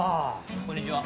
こんにちは。